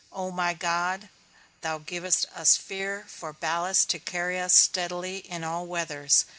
O my God, thou givest us fear for ballast to carry us steadily in all weathers.